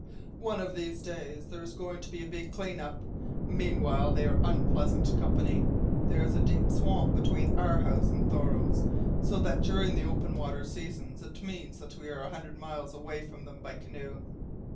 One of these days there is going to be a big clean up. Meanwhile, they are unpleasant company. There is a deep swamp between our house and Thoreau's, so that during the open water seasons it means we are a hundred miles away from them by canoe.